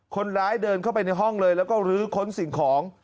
คนร้ายเดินเข้าไปในห้องเลยแล้วก็ลื้อค้นสิ่งของ